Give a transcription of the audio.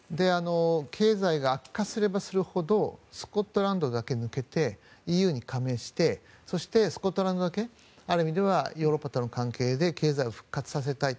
経済が悪化すればするほどスコットランドだけ抜けてＥＵに加盟してそして、スコットランドだけある意味ではヨーロッパとの関係で経済を復活させたい。